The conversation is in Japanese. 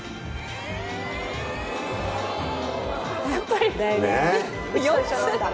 やっぱり。